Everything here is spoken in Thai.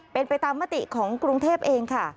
เป็นไปตามมติของกรุงเทพเองค่ะ